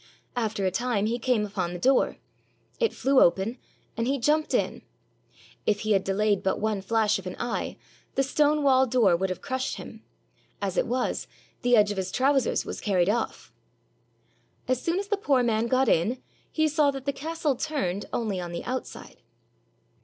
After a time he came upon the door; it flew open, and he jumped in. If he had delayed but one flash of an eye, the stone wall door would have crushed him; as it was, the edge of his trousers was carried off. As soon as the poor man got in, he saw that the castle turned only on the outside.